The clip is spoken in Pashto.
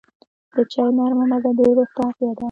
د چای نرمه مزه د روح تغذیه ده.